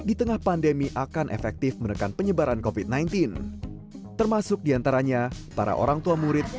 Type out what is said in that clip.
di tengah pandemi akan efektif menekan penyebaran kofit sembilan belas termasuk diantaranya para orang tua murid